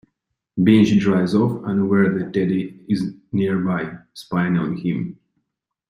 Benji drives off, unaware that Ted is nearby, spying on him.